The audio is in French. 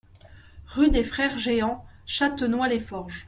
Rue des Frères Géhant, Châtenois-les-Forges